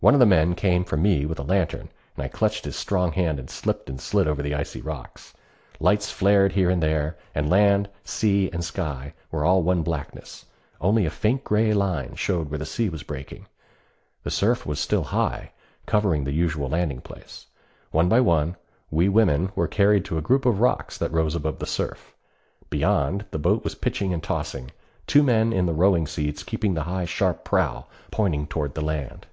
One of the men came for me with a lantern, and I clutched his strong hand and slipped and slid over the icy rocks. Lights flared here and there, and land, sea, and sky were all one blackness; only a faint gray line showed where the sea was breaking. The surf was still high, covering the usual landing place. One by one, we women were carried to a group of rocks that rose above the surf. Beyond, the boat was pitching and tossing, two men in the rowing seats keeping the high sharp prow pointing toward the land.